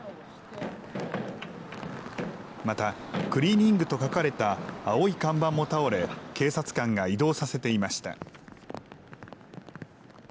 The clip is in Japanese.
またクリーニングと書かれた青い看板も倒れ警察官が移動させていました。